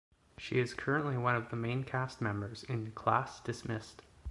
She is currently one of the main cast members in "Class Dismissed".